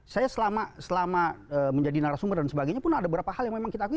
saya selama menjadi narasumber dan sebagainya pun ada beberapa hal yang memang kita akui